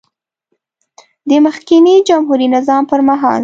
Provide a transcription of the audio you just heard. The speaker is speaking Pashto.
د مخکېني جمهوري نظام پر مهال